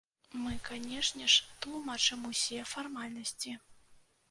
Мы, канешне ж, тлумачым усе фармальнасці.